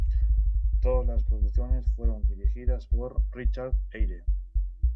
Todas los producciones fueron dirigidas por Richard Eyre.